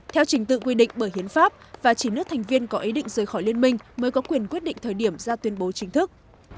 theo trình tự quy định bởi hiến pháp và chín nước thành viên có ý định rời khỏi liên minh mới có quyền quyết định thời điểm ra tuyên bố chính thức